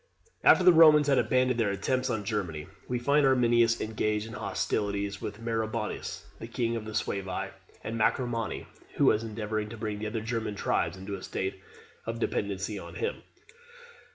After the Romans had abandoned their attempts on Germany, we find Arminius engaged in hostilities with Maroboduus, the king of the Suevi and Marcomanni who was endeavouring to bring the other German tribes into a state of dependency on him.